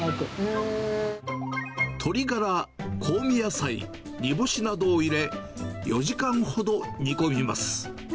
鶏ガラ、香味野菜、煮干しなどを入れ、４時間ほど煮込みます。